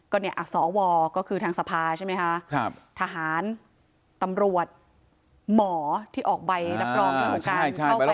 ก็เนี่ยสวก็คือทางสภาใช่ไหมคะทหารตำรวจหมอที่ออกไปรับรองอยู่กัน